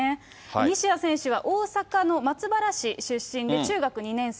西矢選手は大阪の松原市出身で中学２年生。